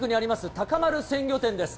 鷹丸鮮魚店です。